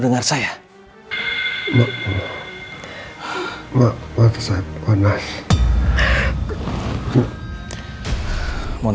dengan dengan adanya opet